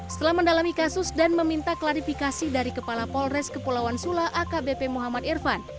setelah mendalami kasus dan meminta klarifikasi dari kepala polres kepulauan sula akbp muhammad irfan